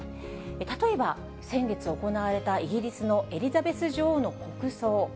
例えば、先月行われたイギリスのエリザベス女王の国葬。